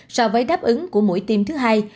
so với đáp ứng của mũi tiêm thứ hai